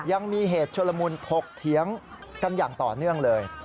ยังมีเหตุชุลมุนถกเถียงกันอย่างต่อเนื่องเลย